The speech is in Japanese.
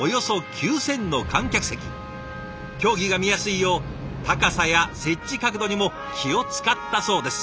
競技が見やすいよう高さや設置角度にも気を遣ったそうです。